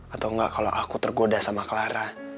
atau enggak kalau aku tergoda sama clara